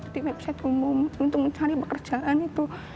di website umum untuk mencari pekerjaan itu